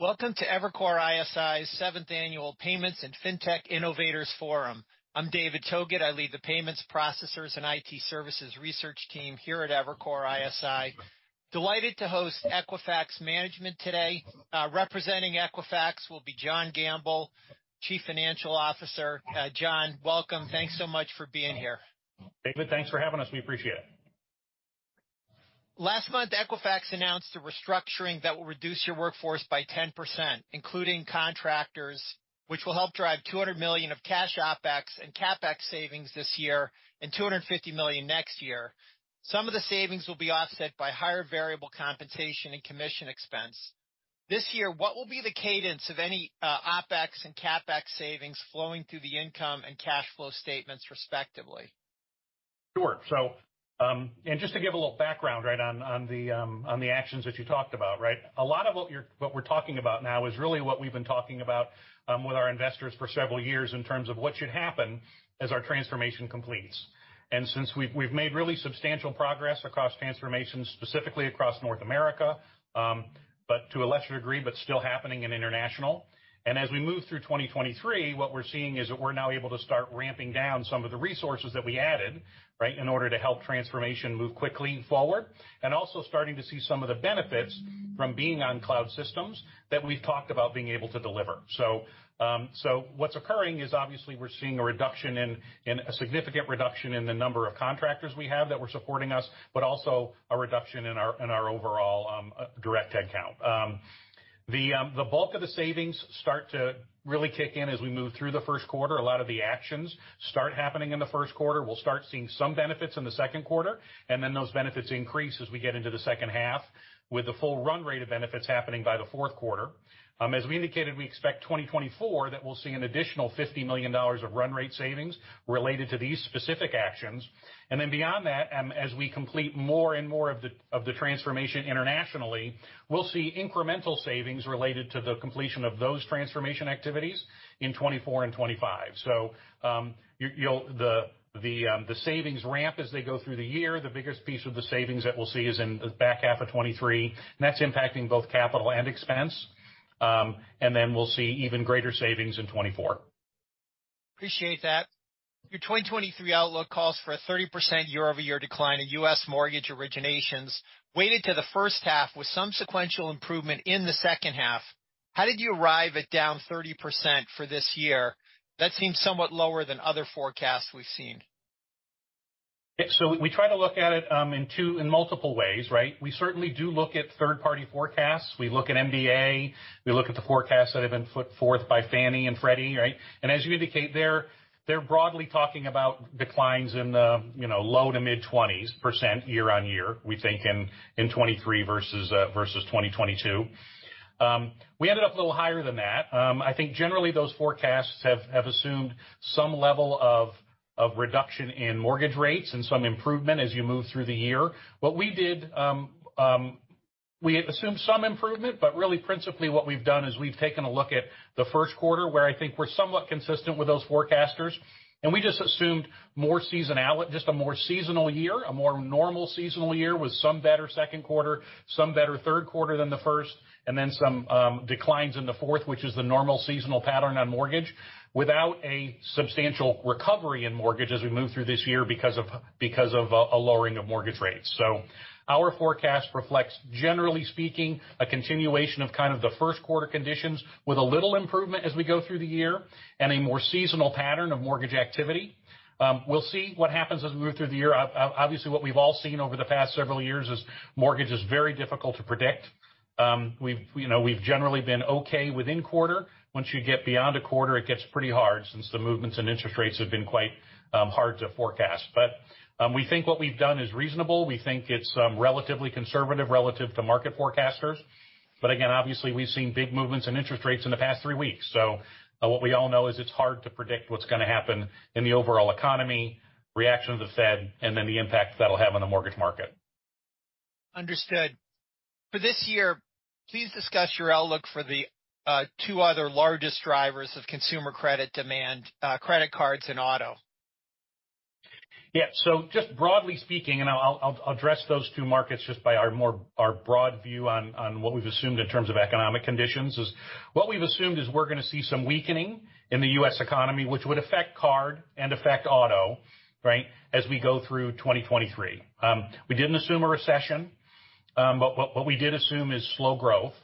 Welcome to Evercore ISI's seventh annual Payments and Fintech Innovators Forum. I'm David Togut. I lead the payments processors and IT services research team here at Evercore ISI. Delighted to host Equifax management today. Representing Equifax will be John Gamble, Chief Financial Officer. John, welcome. Thanks so much for being here. David, thanks for having us. We appreciate it. Last month, Equifax announced a restructuring that will reduce your workforce by 10%, including contractors, which will help drive $200 million of cash OpEx and CapEx savings this year and $250 million next year. Some of the savings will be offset by higher variable compensation and commission expense. This year, what will be the cadence of any OpEx and CapEx savings flowing through the income and cash flow statements, respectively? Sure. Just to give a little background, right, on the actions that you talked about, right? A lot of what we're talking about now is really what we've been talking about with our investors for several years in terms of what should happen as our transformation completes. Since we've made really substantial progress across transformation, specifically across North America, but to a lesser degree, but still happening in internationa. As we move through 2023, what we're seeing is that we're now able to start ramping down some of the resources that we added, right, in order to help transformation move quickly forward. Also starting to see some of the benefits from being on cloud systems that we've talked about being able to deliver. What's occurring is obviously we're seeing a reduction in a significant reduction in the number of contractors we have that were supporting us, but also a reduction in our in our overall direct head count. The bulk of the savings start to really kick in as we move through the first quarter. A lot of the actions start happening in the first quarter. We'll start seeing some benefits in the second quarter, and then those benefits increase as we get into the second half with the full run rate of benefits happening by the fourth quarter. As we indicated, we expect 2024 that we'll see an additional $50 million of run rate savings related to these specific actions. Beyond that, as we complete more and more of the transformation internationally, we'll see incremental savings related to the completion of those transformation activities in 2024 and 2025. The savings ramp as they go through the year, the biggest piece of the savings that we'll see is in the back half of 2023, and that's impacting both capital and expense. We'll see even greater savings in 2024. Appreciate that. Your 2023 outlook calls for a 30% year-over-year decline in U.S. mortgage originations weighted to the first half with some sequential improvement in the second half. How did you arrive at down 30% for this year? That seems somewhat lower than other forecasts we've seen. Yeah. We try to look at it in multiple ways, right? We certainly do look at third-party forecasts. We look at MBA, we look at the forecasts that have been put forth by Fannie Mae and Freddie Mac, right? As you indicate, they're broadly talking about declines in the, you know, low to mid-20s% year-on-year, we think in 2023 versus 2022. We ended up a little higher than that. I think generally those forecasts have assumed some level of reduction in mortgage rates and some improvement as you move through the year. What we did, we assumed some improvement, but really principally what we've done is we've taken a look at the first quarter where I think we're somewhat consistent with those forecasters. We just assumed more seasonal year, a more normal seasonal year with some better 2nd quarter, some better 3rd quarter than the 1st, and then some declines in the 4th, which is the normal seasonal pattern on mortgage. Without a substantial recovery in mortgage as we move through this year because of a lowering of mortgage rates. Our forecast reflects, generally speaking, a continuation of kind of the 1st quarter conditions with a little improvement as we go through the year and a more seasonal pattern of mortgage activity. We'll see what happens as we move through the year. Obviously, what we've all seen over the past several years is mortgage is very difficult to predict. We've, you know, we've generally been okay within quarter. Once you get beyond a quarter, it gets pretty hard since the movements in interest rates have been quite hard to forecast. We think what we've done is reasonable. We think it's relatively conservative relative to market forecasters. Again, obviously, we've seen big movements in interest rates in the past three weeks. What we all know is it's hard to predict what's gonna happen in the overall economy, reaction to the Fed, and then the impact that'll have on the mortgage market. Understood. For this year, please discuss your outlook for the, two other largest drivers of consumer credit demand, credit cards and auto. Yeah. Just broadly speaking, and I'll address those two markets just by our broad view on what we've assumed in terms of economic conditions is what we've assumed is we're gonna see some weakening in the U.S. economy, which would affect card and affect auto, right, as we go through 2023. We didn't assume a recession, but what we did assume is slow growth.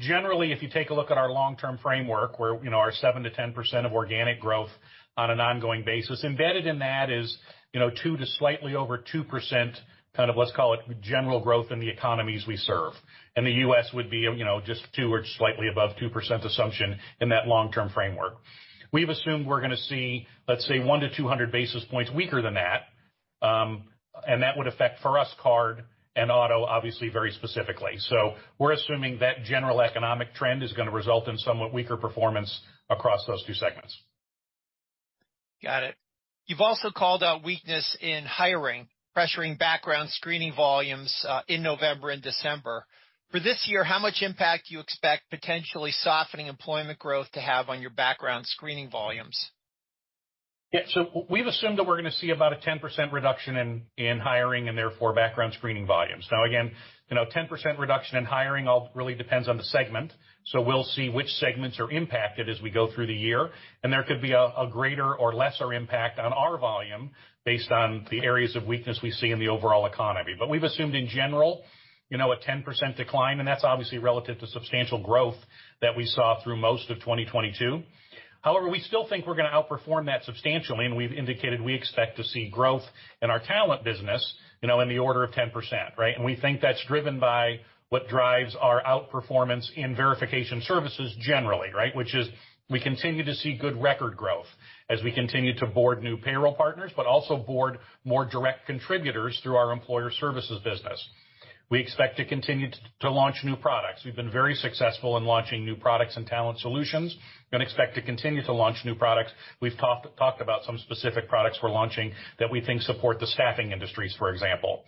Generally, if you take a look at our long-term framework where, you know, our 7%-10% of organic growth on an ongoing basis, embedded in that is, you know, 2% to slightly over 2%, kind of, let's call it, general growth in the economies we serve. The U.S. would be, you know, just 2% or just slightly above 2% assumption in that long-term framework. We've assumed we're gonna see, let's say, 1 to 200 basis points weaker than that, and that would affect for us, card and auto, obviously, very specifically. We're assuming that general economic trend is gonna result in somewhat weaker performance across those two segments. Got it. You've also called out weakness in hiring, pressuring background screening volumes in November and December. For this year, how much impact do you expect potentially softening employment growth to have on your background screening volumes? Yeah. We've assumed that we're gonna see about a 10% reduction in hiring and therefore background screening volumes. Again, you know, 10% reduction in hiring all really depends on the segment. We'll see which segments are impacted as we go through the year, and there could be a greater or lesser impact on our volume based on the areas of weakness we see in the overall economy. We've assumed in general, you know, a 10% decline, and that's obviously relative to substantial growth that we saw through most of 2022. However, we still think we're gonna outperform that substantially, and we've indicated we expect to see growth in our talent business, you know, in the order of 10%, right? We think that's driven by what drives our outperformance in verification services generally, right? Which is we continue to see good record growth as we continue to board new payroll partners but also board more direct contributors through our employer services business. We expect to continue to launch new products. We've been very successful in launching new products and talent solutions and expect to continue to launch new products. We've talked about some specific products we're launching that we think support the staffing industries, for example.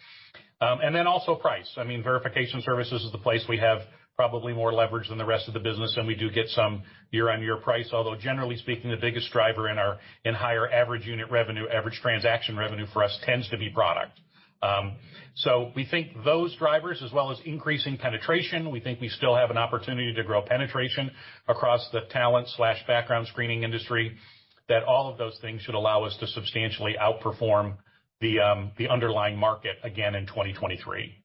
And then also price. I mean, verification services is the place we have probably more leverage than the rest of the business, and we do get some year-over-year price, although generally speaking, the biggest driver in our higher average unit revenue, average transaction revenue for us tends to be product. We think those drivers as well as increasing penetration, we think we still have an opportunity to grow penetration across the talent/background screening industry, that all of those things should allow us to substantially outperform the underlying market again in 2023.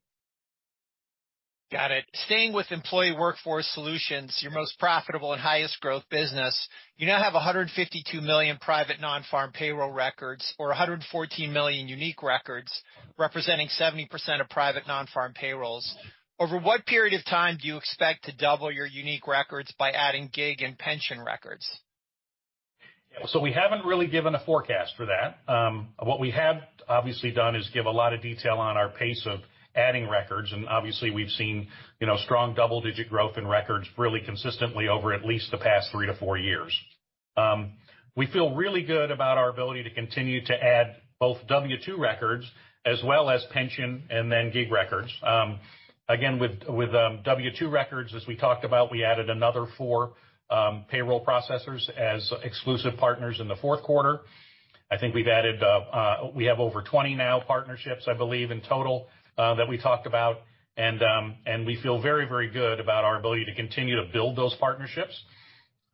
Got it. Staying with employee Workforce Solutions, your most profitable and highest growth business, you now have 152 million private non-farm payroll records or 114 million unique records representing 70% of private non-farm payrolls. Over what period of time do you expect to double your unique records by adding gig and pension records? We haven't really given a forecast for that. What we have obviously done is give a lot of detail on our pace of adding records, and obviously, we've seen, you know, strong double-digit growth in records really consistently over at least the past three to four years. We feel really good about our ability to continue to add both W-2 records as well as pension and then gig records. Again, with W-2 records, as we talked about, we added another four payroll processors as exclusive partners in the fourth quarter. I think we've added. We have over 20 now partnerships, I believe, in total, that we talked about. And we feel very, very good about our ability to continue to build those partnerships.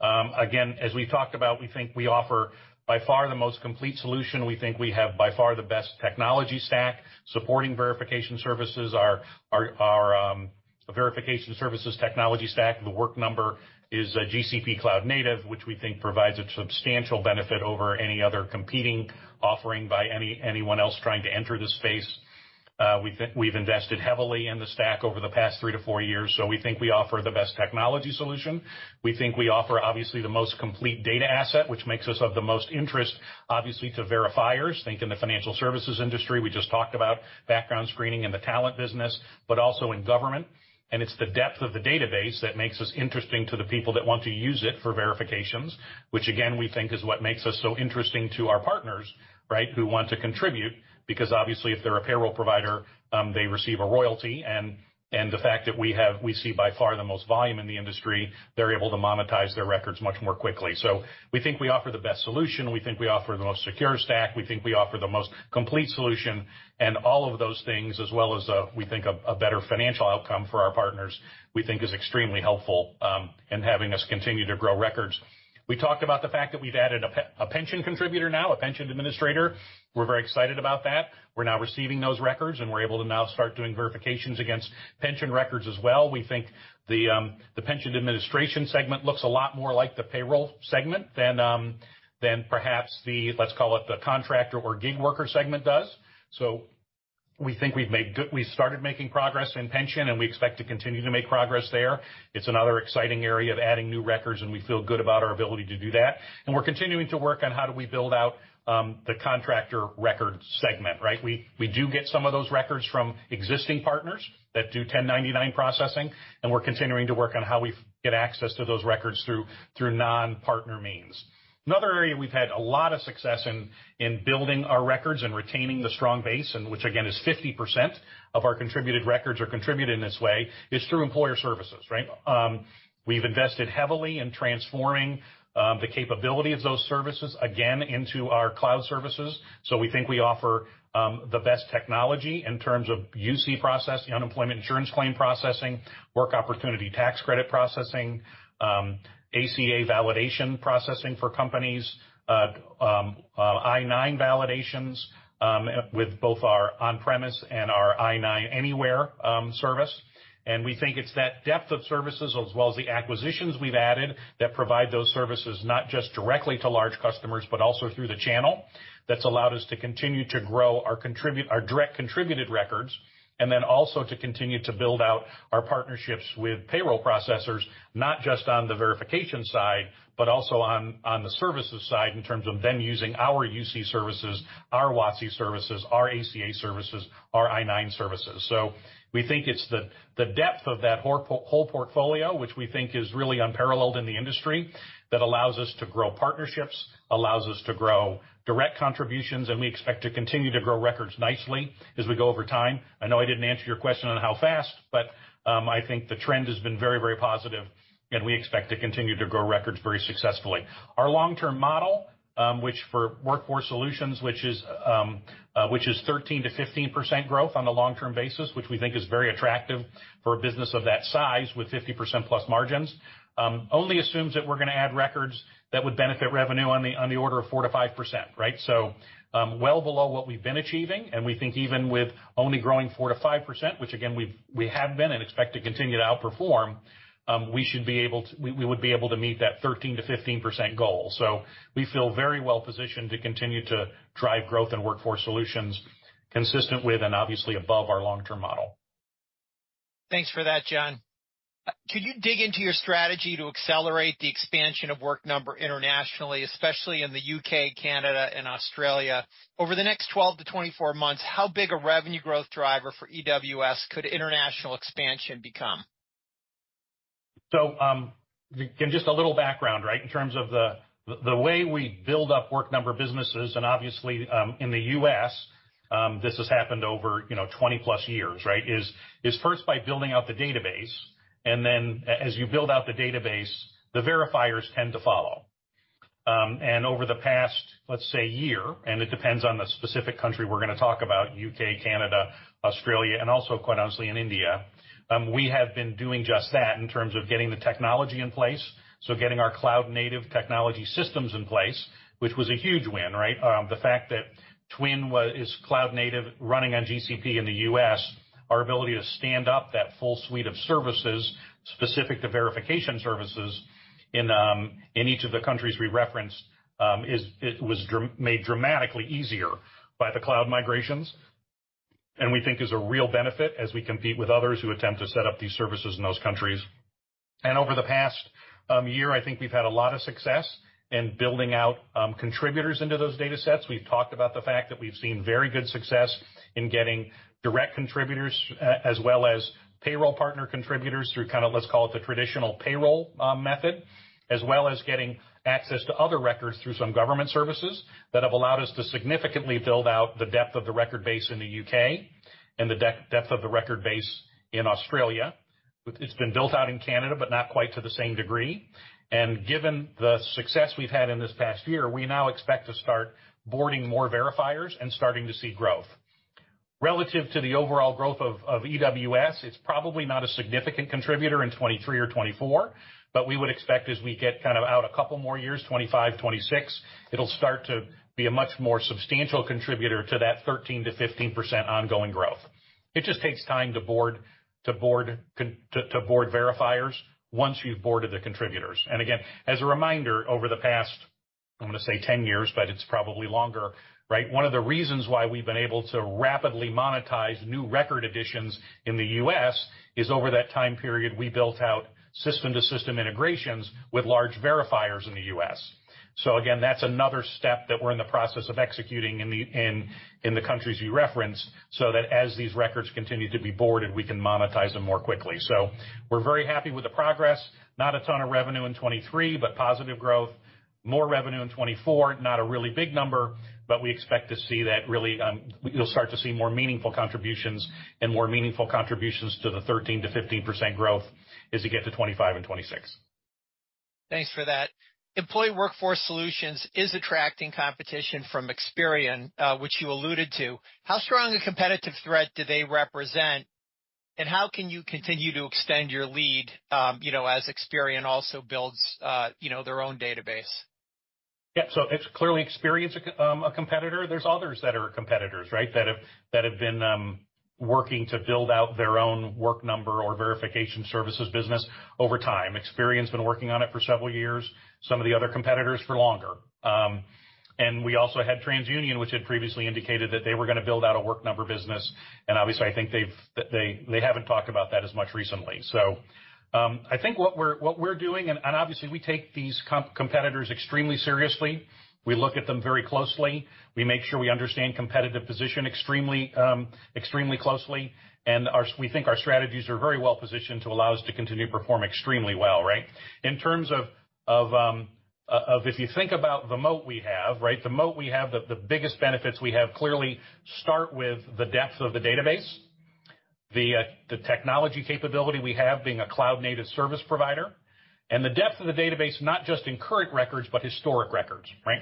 Again, as we've talked about, we think we offer by far the most complete solution. We think we have by far the best technology stack supporting verification services. Our verification services technology stack, The Work Number, is a GCP cloud native, which we think provides a substantial benefit over any other competing offering by anyone else trying to enter this space. We've invested heavily in the stack over the past three to four years, so we think we offer the best technology solution. We think we offer obviously the most complete data asset, which makes us of the most interest, obviously, to verifiers. Think in the financial services industry, we just talked about background screening in the talent business, but also in government. It's the depth of the database that makes us interesting to the people that want to use it for verifications, which again, we think is what makes us so interesting to our partners, right, who want to contribute, because obviously if they're a payroll provider, they receive a royalty. The fact that we see by far the most volume in the industry, they're able to monetize their records much more quickly. We think we offer the best solution. We think we offer the most secure stack. We think we offer the most complete solution. All of those things as well as, we think a better financial outcome for our partners, we think is extremely helpful in having us continue to grow records. We talked about the fact that we've added a pension contributor now, a pension administrator. We're very excited about that. We're now receiving those records, and we're able to now start doing verifications against pension records as well. We think the pension administration segment looks a lot more like the payroll segment than perhaps the, let's call it, the contractor or gig worker segment does. We think we started making progress in pension, and we expect to continue to make progress there. It's another exciting area of adding new records, and we feel good about our ability to do that. We're continuing to work on how do we build out, the contractor record segment, right? We do get some of those records from existing partners that do 1099 processing, and we're continuing to work on how we get access to those records through non-partner means. Another area we've had a lot of success in building our records and retaining the strong base, and which again is 50% of our contributed records are contributed in this way, is through employer services, right? We've invested heavily in transforming the capability of those services again into our cloud services. We think we offer the best technology in terms of UC processing, unemployment insurance claim processing, Work Opportunity Tax Credit processing, ACA validation processing for companies, I-9 validations, with both our on-premise and our I-9 Anywhere service. We think it's that depth of services as well as the acquisitions we've added that provide those services not just directly to large customers, but also through the channel. That's allowed us to continue to grow our direct contributed records, and then also to continue to build out our partnerships with payroll processors, not just on the verification side, but also on the services side in terms of them using our UC services, our WASI services, our ACA services, our I-9 services. We think it's the depth of that whole portfolio, which we think is really unparalleled in the industry, that allows us to grow partnerships, allows us to grow direct contributions, and we expect to continue to grow records nicely as we go over time. I know I didn't answer your question on how fast, but I think the trend has been very, very positive, and we expect to continue to grow records very successfully. Our long-term model, which for Workforce Solutions, which is 13%-15% growth on a long-term basis, which we think is very attractive for a business of that size with 50% plus margins, only assumes that we're gonna add records that would benefit revenue on the order of 4%-5%, right? Well below what we've been achieving, and we think even with only growing 4%-5%, which again, we have been and expect to continue to outperform, we would be able to meet that 13%-15% goal. We feel very well positioned to continue to drive growth in Workforce Solutions consistent with and obviously above our long-term model. Thanks for that, John. Could you dig into your strategy to accelerate the expansion of The Work Number internationally, especially in the U.K., Canada and Australia? Over the next 12-24 months, how big a revenue growth driver for EWS could international expansion become? Again, just a little background, right? In terms of the way we build up Work Number businesses, and obviously, in the U.S., this has happened over, you know, 20-plus years, right? Is first by building out the database, and then as you build out the database, the verifiers tend to follow. Over the past, let's say, year, and it depends on the specific country we're gonna talk about U.K., Canada, Australia, and also, quite honestly, in India, we have been doing just that in terms of getting the technology in place, so getting our cloud-native technology systems in place, which was a huge win, right? The fact that TWN is cloud native running on GCP in the U.S., our ability to stand up that full suite of services specific to verification services in each of the countries we referenced, made dramatically easier by the cloud migrations. We think is a real benefit as we compete with others who attempt to set up these services in those countries. Over the past year, I think we've had a lot of success in building out contributors into those datasets. We've talked about the fact that we've seen very good success in getting direct contributors as well as payroll partner contributors through kinda, let's call it, the traditional payroll method, as well as getting access to other records through some government services that have allowed us to significantly build out the depth of the record base in the U.K. and the depth of the record base in Australia. It's been built out in Canada, but not quite to the same degree. Given the success we've had in this past year, we now expect to start boarding more verifiers and starting to see growth. Relative to the overall growth of EWS, it's probably not a significant contributor in 2023 or 2024. We would expect as we get kind of out a couple more years, 2025, 2026, it'll start to be a much more substantial contributor to that 13%-15% ongoing growth. It just takes time to board verifiers once you've boarded the contributors. Again, as a reminder, over the past, I'm gonna say 10 years, but it's probably longer, right? One of the reasons why we've been able to rapidly monetize new record additions in the US is over that time period, we built out system-to-system integrations with large verifiers in the US. Again, that's another step that we're in the process of executing in the countries you referenced, so that as these records continue to be boarded, we can monetize them more quickly. We're very happy with the progress. Not a ton of revenue in 2023, but positive growth. More revenue in 2024. Not a really big number, but we expect to see that really, You'll start to see more meaningful contributions and more meaningful contributions to the 13%-15% growth as you get to 2025 and 2026. Thanks for that. Workforce Solutions is attracting competition from Experian, which you alluded to. How strong a competitive threat do they represent, and how can you continue to extend your lead, you know, as Experian also builds, you know, their own database? It's clearly Experian's a competitor. There's others that are competitors, right? That have been working to build out their own Work Number or verification services business over time. Experian's been working on it for several years, some of the other competitors for longer. We also had TransUnion, which had previously indicated that they were gonna build out a Work Number business, and obviously, I think they haven't talked about that as much recently. I think what we're doing, and obviously, we take these competitors extremely seriously. We look at them very closely. We make sure we understand competitive position extremely closely. Our strategies are very well positioned to allow us to continue to perform extremely well, right? In terms of if you think about the moat we have, right? The moat we have, the biggest benefits we have clearly start with the depth of the database, the technology capability we have being a cloud-native service provider, and the depth of the database, not just in current records, but historic records, right?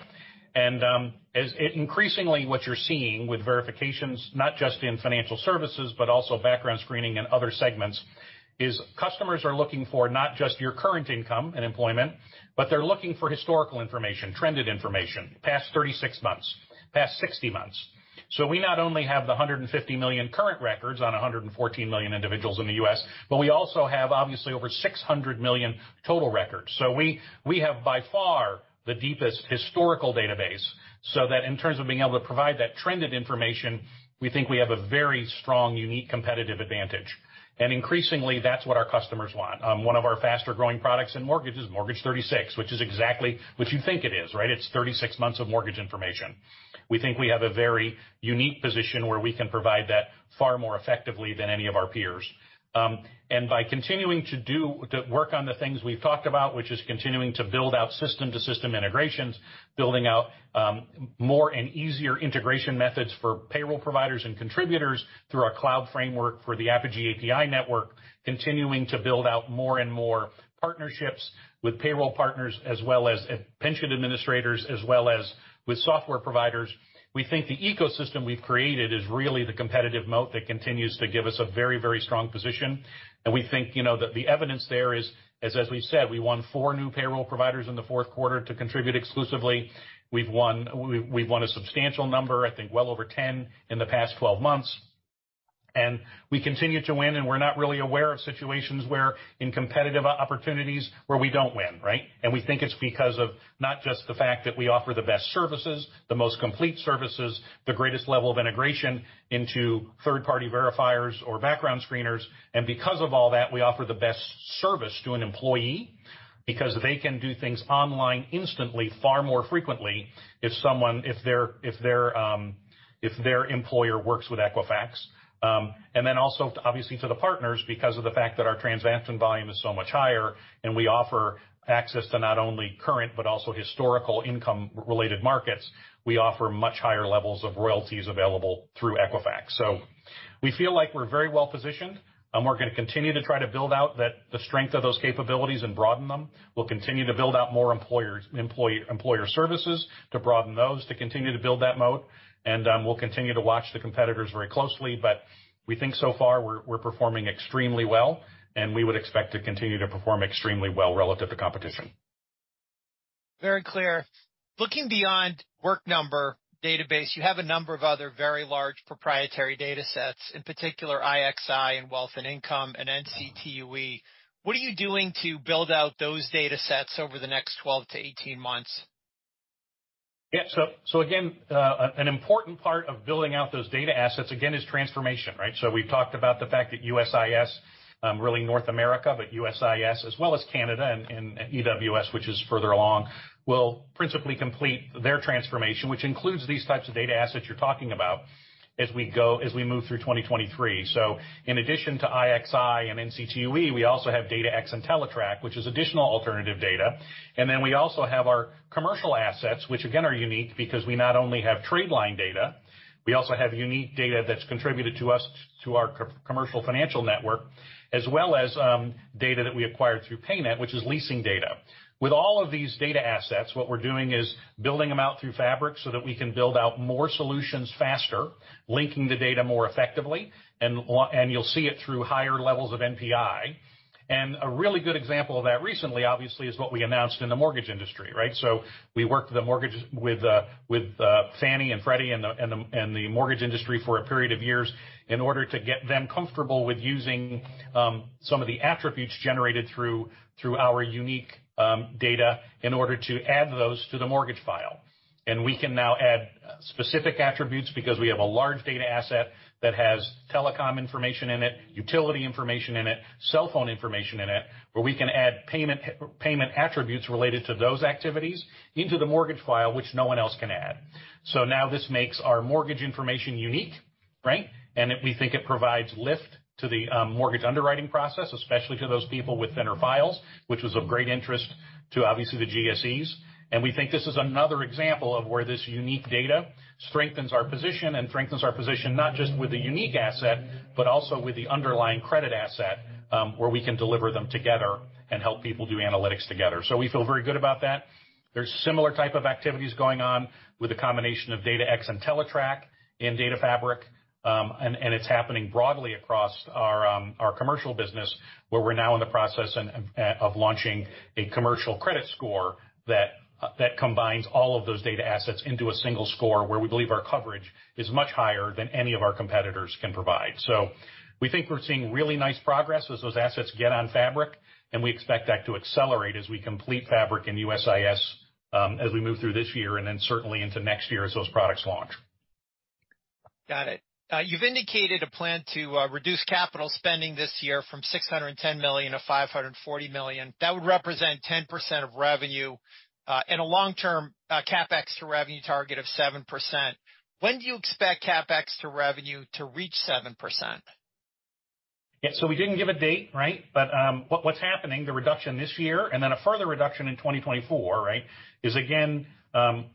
Increasingly, what you're seeing with verifications, not just in financial services, but also background screening and other segments, is customers are looking for not just your current income and employment, but they're looking for historical information, trended information, past 36 months, past 60 months. We not only have the 150 million current records on 114 million individuals in the US, but we also have obviously over 600 million total records. We have by far the deepest historical database, so that in terms of being able to provide that trended information, we think we have a very strong, unique competitive advantage. Increasingly that's what our customers want. One of our faster-growing products in mortgage is Mortgage 36, which is exactly what you think it is, right? It's 36 months of mortgage information. We think we have a very unique position where we can provide that far more effectively than any of our peers. By continuing to work on the things we've talked about, which is continuing to build out system-to-system integrations, building out more and easier integration methods for payroll providers and contributors through our cloud framework for the Apigee API network, continuing to build out more and more partnerships with payroll partners as well as pension administrators, as well as with software providers. We think the ecosystem we've created is really the competitive moat that continues to give us a very, very strong position. We think, you know, that the evidence there is, as we've said, we won four new payroll providers in the fourth quarter to contribute exclusively. We've won a substantial number, I think, well over 10 in the past 12 months. We continue to win, and we're not really aware of situations where in competitive opportunities where we don't win, right? We think it's because of not just the fact that we offer the best services, the most complete services, the greatest level of integration into third-party verifiers or background screeners, and because of all that, we offer the best service to an employee because they can do things online instantly, far more frequently if their employer works with Equifax. Also obviously to the partners, because of the fact that our transaction volume is so much higher and we offer access to not only current but also historical income related markets, we offer much higher levels of royalties available through Equifax. We feel like we're very well positioned, and we're gonna continue to try to build out that the strength of those capabilities and broaden them. We'll continue to build out more employers, employer services to broaden those, to continue to build that moat. We'll continue to watch the competitors very closely, but we think so far we're performing extremely well and we would expect to continue to perform extremely well relative to competition. Very clear. Looking beyond The Work Number database, you have a number of other very large proprietary data sets, in particular IXI and Wealth and Income and NCTUE. What are you doing to build out those data sets over the next 12-18 months? So again, an important part of building out those data assets, again, is transformation. We've talked about the fact that USIS, really North America, but USIS as well as Canada and EWS, which is further along, will principally complete their transformation, which includes these types of data assets you're talking about as we move through 2023. In addition to IXI and NCTUE, we also have DataX and Teletrack, which is additional alternative data. We also have our commercial assets, which again are unique because we not only have trade line data, we also have unique data that's contributed to us to our Commercial Financial Network, as well as data that we acquired through PayNet, which is leasing data. With all of these data assets, what we're doing is building them out through Fabric so that we can build out more solutions faster, linking the data more effectively, and you'll see it through higher levels of NPI. A really good example of that recently, obviously, is what we announced in the mortgage industry, right? We worked with the mortgage with Fannie and Freddie and the mortgage industry for a period of years in order to get them comfortable with using some of the attributes generated through our unique data in order to add those to the mortgage file. We can now add specific attributes because we have a large data asset that has telecom information in it, utility information in it, cell phone information in it, where we can add payment attributes related to those activities into the mortgage file, which no one else can add. Now this makes our mortgage information unique, right? We think it provides lift to the mortgage underwriting process, especially to those people with thinner files, which was of great interest to obviously the GSEs. We think this is another example of where this unique data strengthens our position and strengthens our position not just with the unique asset, but also with the underlying credit asset, where we can deliver them together and help people do analytics together. We feel very good about that. There's similar type of activities going on with the combination of DataX and Teletrack in Data Fabric. It's happening broadly across our commercial business, where we're now in the process of launching a commercial credit score that combines all of those data assets into a single score where we believe our coverage is much higher than any of our competitors can provide. We think we're seeing really nice progress as those assets get on Fabric, and we expect that to accelerate as we complete Fabric in USIS, as we move through this year and then certainly into next year as those products launch. Got it. You've indicated a plan to reduce capital spending this year from $610 million to $540 million. That would represent 10% of revenue, and a long-term CapEx to revenue target of 7%. When do you expect CapEx to revenue to reach 7%? Yeah. We didn't give a date, right? What, what's happening, the reduction this year and then a further reduction in 2024, right, is again,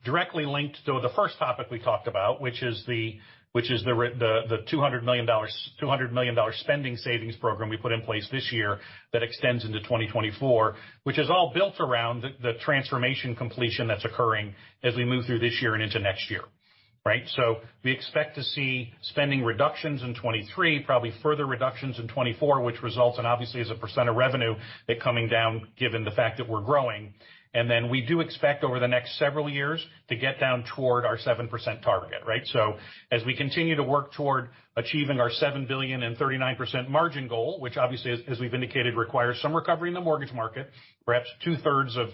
directly linked to the first topic we talked about, which is the, which is the the $200 million spending savings program we put in place this year that extends into 2024, which is all built around the transformation completion that's occurring as we move through this year and into next year, right? So we expect to see spending reductions in 23, probably further reductions in 24, which results in obviously as a percent of revenue, it coming down given the fact that we're growing. Then we do expect over the next several years to get down toward our 7% target, right? As we continue to work toward achieving our $7 billion and 39% margin goal, which obviously, as we've indicated, requires some recovery in the mortgage market. Perhaps two-thirds of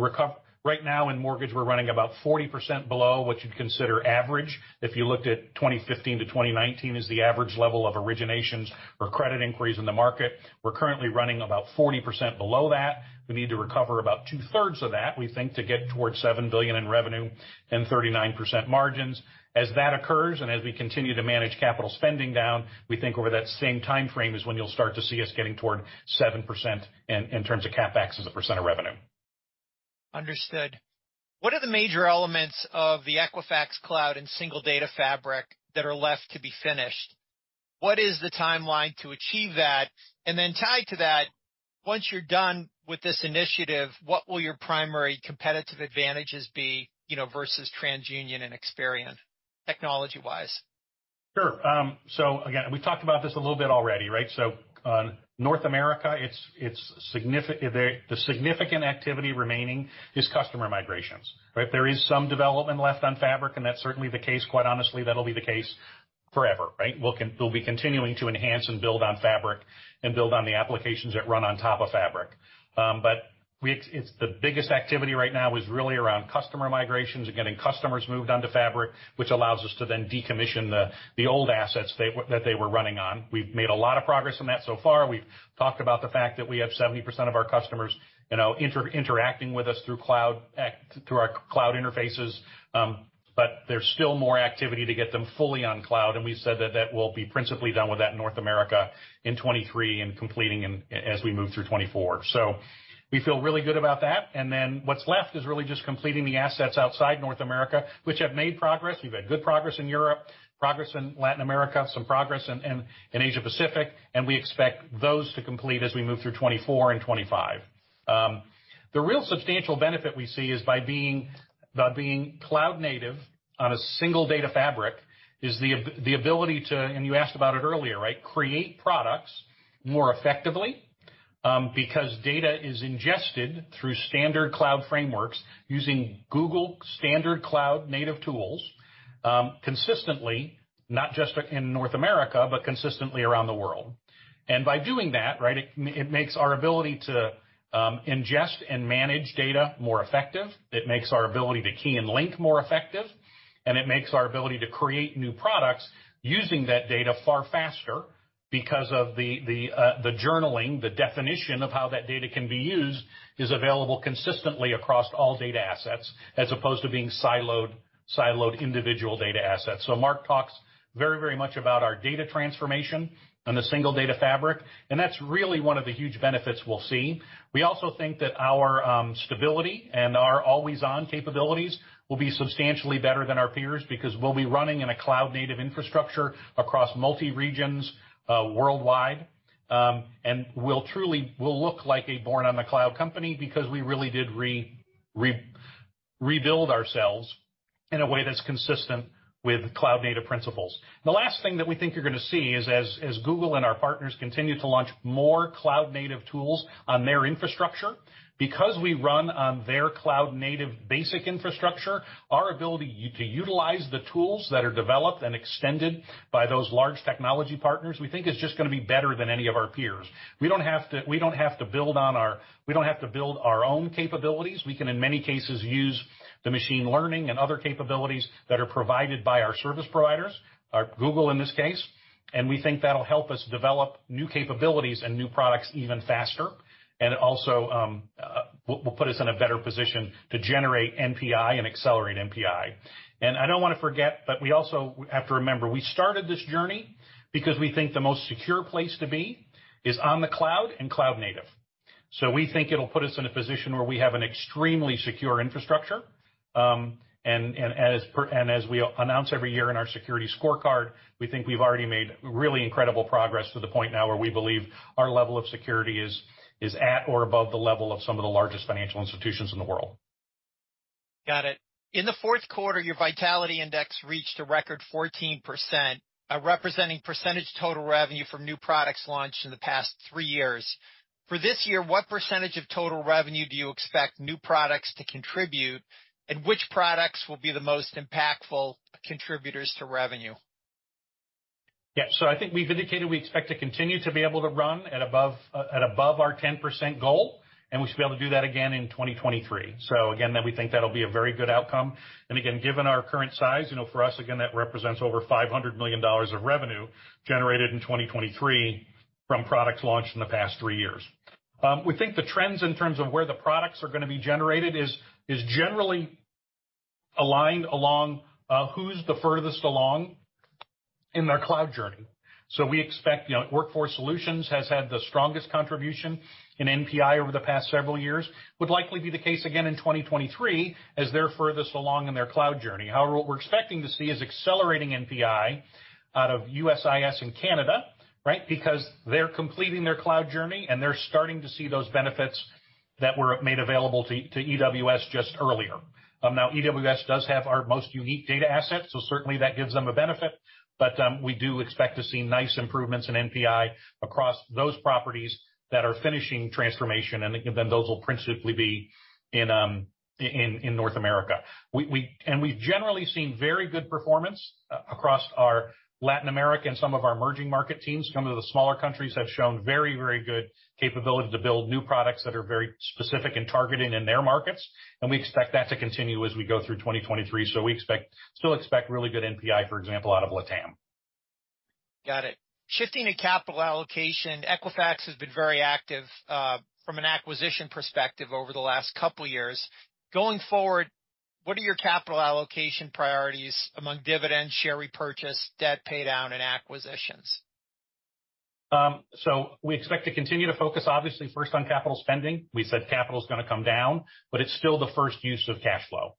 recover right now in mortgage, we're running about 40% below what you'd consider average. If you looked at 2015 to 2019 as the average level of originations or credit inquiries in the market, we're currently running about 40% below that. We need to recover about two-thirds of that, we think, to get towards $7 billion in revenue and 39% margins. As that occurs, and as we continue to manage capital spending down, we think over that same timeframe is when you'll start to see us getting toward 7% in terms of CapEx as a percent of revenue. Understood. What are the major elements of the Equifax Cloud and Single Data Fabric that are left to be finished? What is the timeline to achieve that? Then tied to that, once you're done with this initiative, what will your primary competitive advantages be, you know, versus TransUnion and Experian, technology-wise? Sure. Again, we've talked about this a little bit already, right? On North America, it's the significant activity remaining is customer migrations, right? There is some development left on Fabric, and that's certainly the case. Quite honestly, that'll be the case forever, right? We'll be continuing to enhance and build on Fabric and build on the applications that run on top of Fabric. It's the biggest activity right now is really around customer migrations and getting customers moved onto Fabric, which allows us to then decommission the old assets that they were running on. We've made a lot of progress on that so far. We've talked about the fact that we have 70% of our customers, you know, interacting with us through our cloud interfaces. There's still more activity to get them fully on Cloud, and we said that that will be principally done with that North America in 2023 and completing as we move through 2024. We feel really good about that. What's left is really just completing the assets outside North America, which have made progress. We've had good progress in Europe, progress in Latin America, some progress in Asia-Pacific, and we expect those to complete as we move through 2024 and 2025. The real substantial benefit we see is by being Cloud native on a Single Data Fabric is the ability to, and you asked about it earlier, right? Create products more effectively, because data is ingested through standard Cloud frameworks using Google standard Cloud native tools, consistently, not just in North America, but consistently around the world. By doing that, right, it makes our ability to ingest and manage data more effective. It makes our ability to key and link more effective, and it makes our ability to create new products using that data far faster because of the journaling, the definition of how that data can be used is available consistently across all data assets, as opposed to being siloed individual data assets. Mark talks very much about our data transformation and the Single Data Fabric, and that's really one of the huge benefits we'll see. We also think that our stability and our always-on capabilities will be substantially better than our peers, because we'll be running in a cloud native infrastructure across multi-regions worldwide. We'll look like a born on the cloud company because we really did rebuild ourselves in a way that's consistent with cloud native principles. The last thing that we think you're gonna see is as Google and our partners continue to launch more cloud native tools on their infrastructure, because we run on their cloud native basic infrastructure, our ability to utilize the tools that are developed and extended by those large technology partners, we think is just gonna be better than any of our peers. We don't have to build our own capabilities. We can, in many cases, use the machine learning and other capabilities that are provided by our service providers, or Google in this case. We think that'll help us develop new capabilities and new products even faster. It also will put us in a better position to generate NPI and accelerate NPI. I don't wanna forget, but we also have to remember, we started this journey because we think the most secure place to be is on the cloud and cloud native. We think it'll put us in a position where we have an extremely secure infrastructure, and as we announce every year in our security scorecard, we think we've already made really incredible progress to the point now where we believe our level of security is at or above the level of some of the largest financial institutions in the world. Got it. In the fourth quarter, your Vitality Index reached a record 14%, representing percentage total revenue from new products launched in the past three years. For this year, what percentage of total revenue do you expect new products to contribute, and which products will be the most impactful contributors to revenue? I think we've indicated we expect to continue to be able to run at above our 10% goal, and we should be able to do that again in 2023. Again, that we think that'll be a very good outcome. Again, given our current size, you know, for us, again, that represents over $500 million of revenue generated in 2023 from products launched in the past 3 years. We think the trends in terms of where the products are gonna be generated is generally aligned along who's the furthest along in their cloud journey. We expect, you know, Workforce Solutions has had the strongest contribution in NPI over the past several years. Would likely be the case again in 2023 as they're furthest along in their cloud journey. What we're expecting to see is accelerating NPI out of USIS and Canada, right? Because they're completing their cloud journey, and they're starting to see those benefits that were made available to EWS just earlier. Now EWS does have our most unique data assets, so certainly that gives them a benefit. We do expect to see nice improvements in NPI across those properties that are finishing transformation, and then those will principally be in North America. We've generally seen very good performance across our Latin America and some of our emerging market teams. Some of the smaller countries have shown very, very good capability to build new products that are very specific in targeting in their markets, and we expect that to continue as we go through 2023. We expect, still expect really good NPI, for example, out of LATAM. Got it. Shifting to capital allocation, Equifax has been very active, from an acquisition perspective over the last couple years. Going forward, what are your capital allocation priorities among dividends, share repurchase, debt pay down, and acquisitions? We expect to continue to focus, obviously, first on capital spending. We said capital is gonna come down, but it's still the first use of cash flow.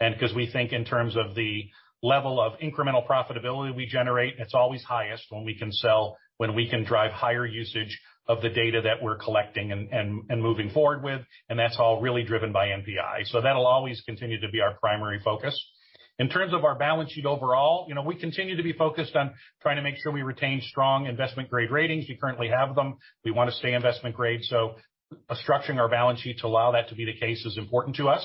'Cause we think in terms of the level of incremental profitability we generate, it's always highest when we can sell, when we can drive higher usage of the data that we're collecting and, and moving forward with, and that's all really driven by NPI. That'll always continue to be our primary focus. In terms of our balance sheet overall, you know, we continue to be focused on trying to make sure we retain strong investment grade ratings. We currently have them. We wanna stay investment grade. Structuring our balance sheet to allow that to be the case is important to us.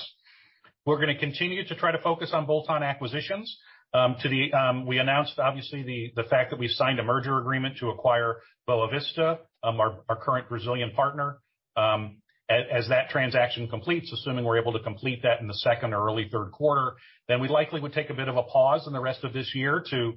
We're gonna continue to try to focus on bolt-on acquisitions. We announced, obviously, the fact that we signed a merger agreement to acquire Boa Vista, our current Brazilian partner. As that transaction completes, assuming we're able to complete that in the second or early third quarter, then we likely would take a bit of a pause in the rest of this year to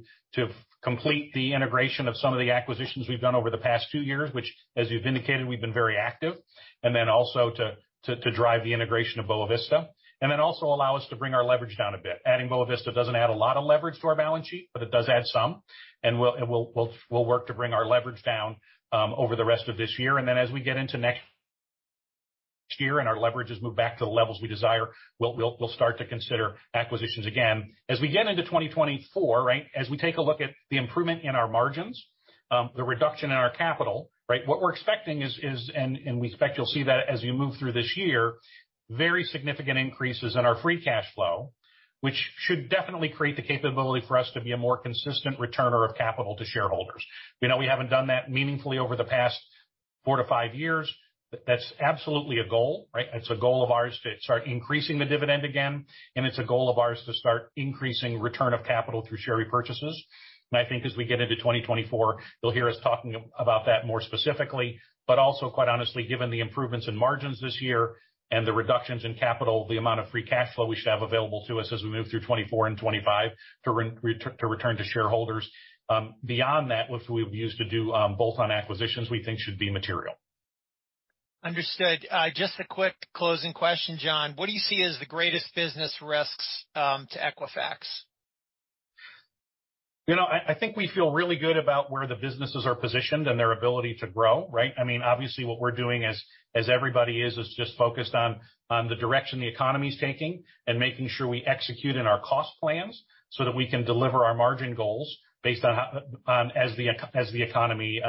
complete the integration of some of the acquisitions we've done over the past two years, which, as you've indicated, we've been very active. Then also to drive the integration of Boa Vista, and then also allow us to bring our leverage down a bit. Adding Boa Vista doesn't add a lot of leverage to our balance sheet, but it does add some, and we'll work to bring our leverage down over the rest of this year. As we get into next year and our leverage is moved back to the levels we desire, we'll start to consider acquisitions again. As we get into 2024, right, as we take a look at the improvement in our margins, the reduction in our capital, right? What we're expecting is and we expect you'll see that as we move through this year, very significant increases in our free cash flow, which should definitely create the capability for us to be a more consistent returner of capital to shareholders. You know, we haven't done that meaningfully over the past four to five years. That's absolutely a goal, right? It's a goal of ours to start increasing the dividend again, and it's a goal of ours to start increasing return of capital through share repurchases. I think as we get into 2024, you'll hear us talking about that more specifically, but also, quite honestly, given the improvements in margins this year and the reductions in capital, the amount of free cash flow we should have available to us as we move through 2024 and 2025 to return to shareholders. Beyond that, what we've used to do, bolt-on acquisitions, we think should be material. Understood. Just a quick closing question, John. What do you see as the greatest business risks to Equifax? You know, I think we feel really good about where the businesses are positioned and their ability to grow, right? I mean, obviously what we're doing as everybody is just focused on the direction the economy is taking and making sure we execute in our cost plans so that we can deliver our margin goals based on how as the economy,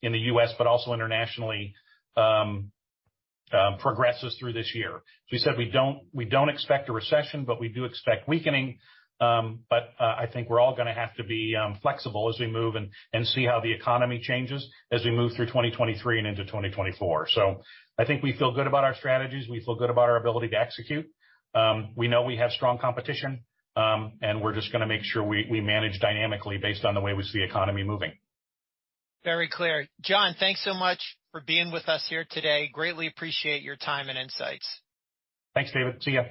in the U.S., but also internationally, progresses through this year. As we said, we don't expect a recession, but we do expect weakening. I think we're all gonna have to be flexible as we move and see how the economy changes as we move through 2023 and into 2024. I think we feel good about our strategies. We feel good about our ability to execute. We know we have strong competition, we're just gonna make sure we manage dynamically based on the way we see the economy moving. Very clear. John, thanks so much for being with us here today. Greatly appreciate your time and insights. Thanks, David. See ya.